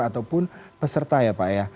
ataupun peserta ya pak ya